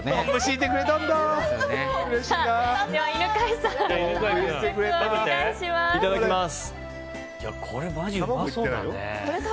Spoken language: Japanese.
いただきます。